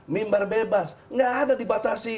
mimbar bebas gak ada dibatasi